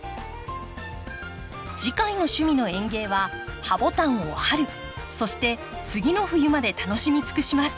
次回の「趣味の園芸」はハボタンを春そして次の冬まで楽しみつくします。